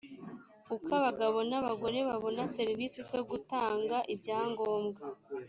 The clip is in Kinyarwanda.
uko abagabo n abagore babona serivisi zo gutanga ibyangombwa